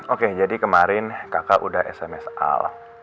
oke jadi kemarin kakak udah sms al